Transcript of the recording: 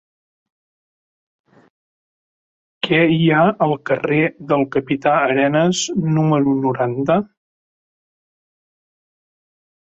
Què hi ha al carrer del Capità Arenas número noranta?